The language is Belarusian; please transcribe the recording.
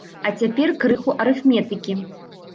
А цяпер крыху арыфметыкі.